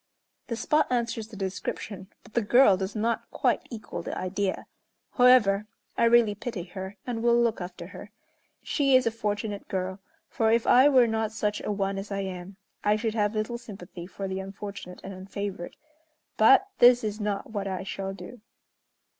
The spot answers the description, but the girl does not quite equal the idea; however, I really pity her, and will look after her. She is a fortunate girl, for if I were not such a one as I am, I should have little sympathy for the unfortunate and unfavored. But this is not what I shall do."